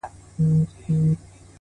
مثبت انسان د هیلو مشعل بل ساتي،